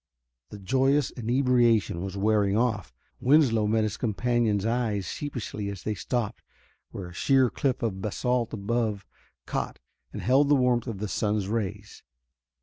The joyous inebriation was wearing off. Winslow met his companion's eyes sheepishly as they stopped where a sheer cliff of basalt above caught and held the warmth of the sun's rays.